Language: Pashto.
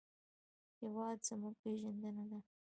هېواد زموږ پېژندنه ده